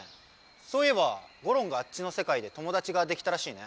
そういえばゴロンがあっちのせかいで友だちができたらしいね。